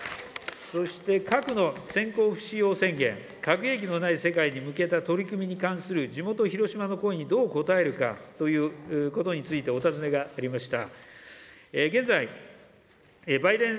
そして、核の先制不使用宣言、核兵器のない世界に向けた取り組みに関する地元、広島の声にどう応えるかということについてお尋ねがありました。